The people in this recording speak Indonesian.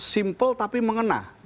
simple tapi mengena